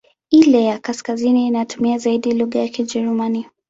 Ile ya kaskazini inatumia zaidi lugha ya Kijerumani.